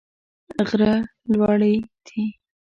غره لوړي دي.